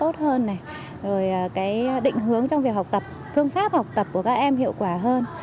rồi cái định hướng trong việc học tập phương pháp học tập của các em hiệu quả hơn